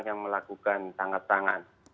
yang melakukan tangkap tangan